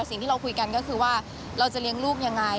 สิ่งที่เราคุยกันก็คือว่าเราจะเลี้ยงลูกยังไง